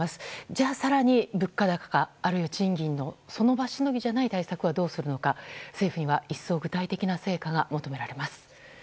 じゃあ、更に物価高やあるいは賃金のその場しのぎじゃない対策はどうするのか、政府には一層具体的な成果が求められます。